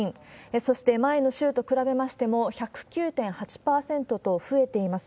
そして前の週と比べましても、１０９．８％と増えています。